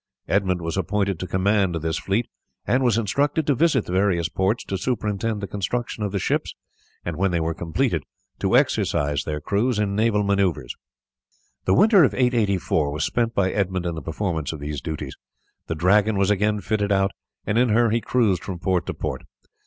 Edmund was appointed to command this fleet, and was instructed to visit the various ports to superintend the construction of the ships, and when they were completed to exercise their crews in naval maneuvers. The winter of 884 was spent by Edmund in the performance of these duties. The Dragon was again fitted out, and in her he cruised from port to port.